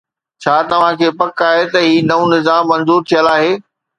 ڇا توهان کي پڪ آهي ته هي نئون نظام منظور ٿيل آهي؟